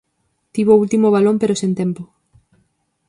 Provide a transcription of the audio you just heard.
Tivo o último balón pero sen tempo.